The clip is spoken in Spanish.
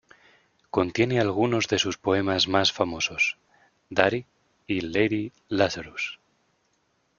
Contiene algunos de sus poemas más famosos, "Daddy" y "Lady Lazarus".